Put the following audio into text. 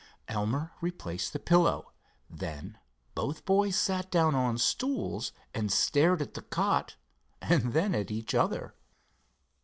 Elmer replaced the pillow. Then both boys sat down on stools and stared at the cot and then at each other.